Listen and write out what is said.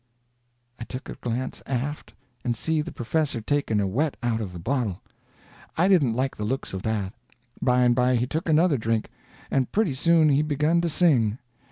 I took a glance aft, and see the professor taking a whet out of a bottle. I didn't like the looks of that. By and by he took another drink, and pretty soon he begun to sing.